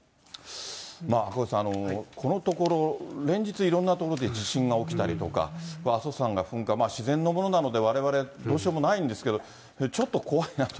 赤星さん、このところ、連日、いろんな所で地震が起きたりとか、阿蘇山が噴火、自然のものなので、われわれどうしようもないんですけども、ちょっと怖いなと。